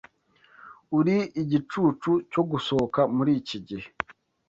uri igicucu cyo gusohoka muriki gihe.